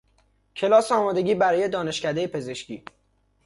کلاس آمادگی برای دانشکدهی پزشکی